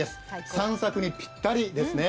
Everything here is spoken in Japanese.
散策にぴったりですね。